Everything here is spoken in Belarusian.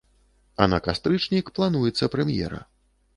А на кастрычнік плануецца прэм'ера.